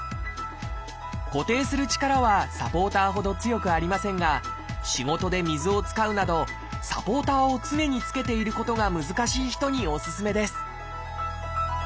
固定する力はサポーターほど強くありませんが仕事で水を使うなどサポーターを常につけていることが難しい人におすすめです